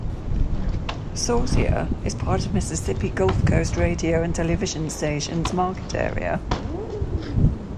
Saucier is part of Mississippi Gulf Coast Radio and Television stations Market Area.